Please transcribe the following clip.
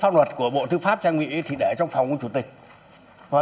một bước đường phóng bằng